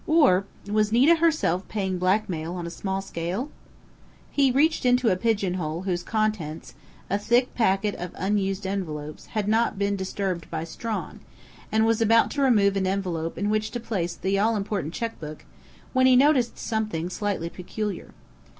Or was Nita herself paying blackmail on a small scale? He reached into a pigeon hole whose contents a thick packet of unused envelopes had not been disturbed by Strawn, and was about to remove an envelope in which to place the all important checkbook, when he noticed something slightly peculiar.